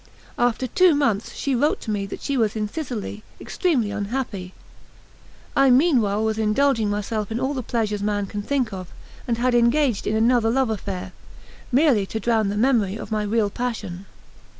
After two months she wrote to me that she was in Sicily, extremely unhappy. I meanwhile was indulging myself in all the pleasures man can think of, and had engaged in another love affair, merely to drown the memory of my real passion.